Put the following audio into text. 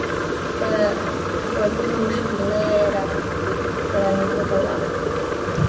دغوږونو شپېلۍ را کرنګوله.